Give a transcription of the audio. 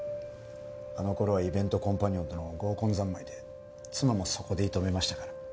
あの頃はイベントコンパニオンとの合コン三昧で妻もそこで射止めましたから。